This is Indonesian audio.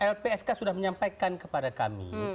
lpsk sudah menyampaikan kepada kami